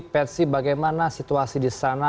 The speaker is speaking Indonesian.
petsy bagaimana situasi di sana